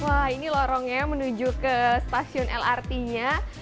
wah ini lorongnya menuju ke stasiun lrt nya